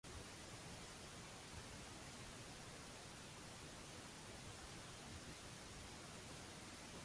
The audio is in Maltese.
L-istatut il-ġdid għalhekk jagħti ħafna attenzjoni sabiex din il-problema tingħeleb.